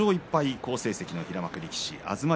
好成績の平幕力士東龍。